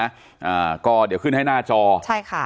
อ่าก็เดี๋ยวขึ้นให้หน้าจอใช่ค่ะ